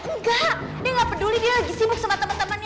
enggak dia nggak peduli dia lagi sibuk sama teman temannya